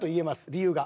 理由が。